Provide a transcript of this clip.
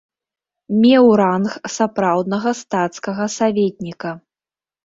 Меў ранг сапраўднага стацкага саветніка.